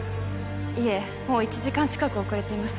いえもう１時間近く遅れています